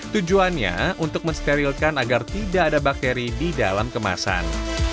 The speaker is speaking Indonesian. tujuannya untuk mensterilkan agar tidak ada bakteri di dalam kemasan